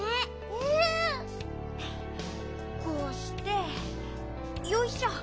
こうしてよいしょ。